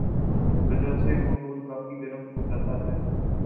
وجہ سے ماحول کافی گرم ہوجاتا ہے